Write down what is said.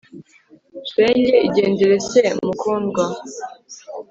shenge igendere se mukundwa